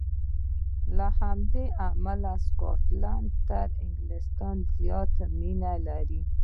له همدې امله د سکاټلنډ سره تر انګلیستان زیاته مینه لري.